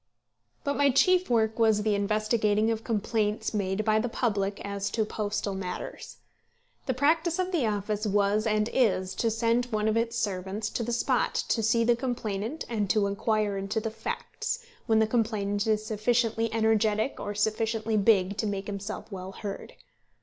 But my chief work was the investigating of complaints made by the public as to postal matters. The practice of the office was and is to send one of its servants to the spot to see the complainant and to inquire into the facts, when the complainant is sufficiently energetic or sufficiently big to make himself well heard.